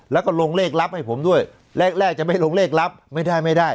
แล้วก็ลงเลขลับให้ผมด้วยแรกแรกจะไม่ลงเลขลับไม่ได้ไม่ได้